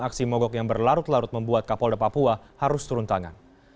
aksi mogok yang berlarut larut membuat kapolda papua harus turun tangan